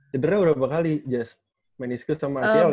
cedera berapa kali jas meniscus sama atyel ya